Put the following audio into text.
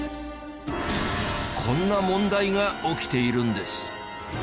こんな問題が起きているんです。